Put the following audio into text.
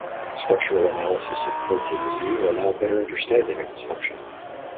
Structural analysis of protein Z will allow better understanding of its function.